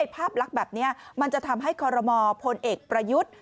ภาพลักษณ์แบบนี้มันจะทำให้คอรมอพลเอกประยุทธ์